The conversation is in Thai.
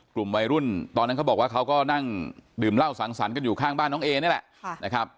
กลุ่มวัยรุ่นตอนนั้นเขาบอกว่าเขาก็นั่งดื่มเหล้าสังสรรค์กันอยู่ข้างบ้านน้องเอนี่แหละนะครับ